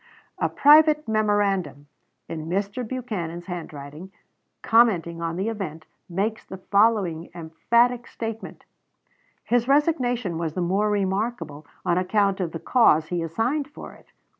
A private memorandum, in Mr. Buchanan's handwriting, commenting on the event, makes the following emphatic statement: "His resignation was the more remarkable on account of the cause he assigned for it.